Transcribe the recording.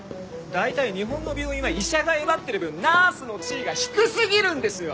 大体日本の病院は医者がえばってる分ナースの地位が低すぎるんですよ！